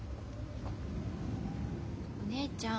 お姉ちゃん。